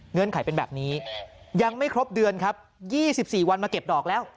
เงื่อนไขเป็นแบบนี้ยังไม่ครบเดือนครับยี่สิบสี่วันมาเก็บดอกแล้ว